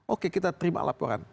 oke kita terima laporan